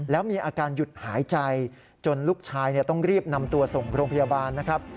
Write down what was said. แล้วมีอาการหยุดหายใจจนลูกชายต้องรีบนำตัวส่งโรงพยาบาลนะครับ